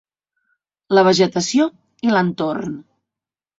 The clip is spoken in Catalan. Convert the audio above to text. La vegetació i l'entorn